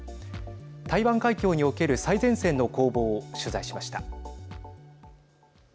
台湾海峡における最前線の攻防を取材しました。